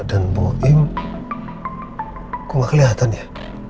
dan bohem kok gak kelihatan ya